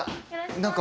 何か。